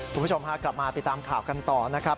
คุณผู้ชมพากลับมาติดตามข่าวกันต่อนะครับ